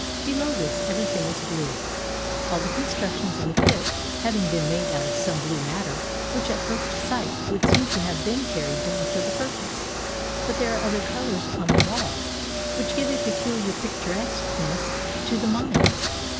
Below this everything is blue, all the constructions in the pit having been made out of some blue matter which at first sight would seem to have been carried down for the purpose. But there are other colors on the wall which give a pecuHar picturesqueness to the mines.